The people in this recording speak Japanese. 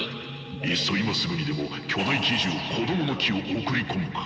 いっそ今すぐにでも巨大奇獣「こどもの樹」を送り込むか。